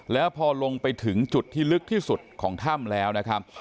แล้วพอลงไปถึงจุดที่ลึกที่สุดของถ้ำแล้วนะครับ